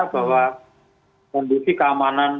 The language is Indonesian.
bahwa kondisi keamanan